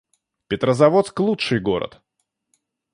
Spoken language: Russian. Петрозаводск — лучший город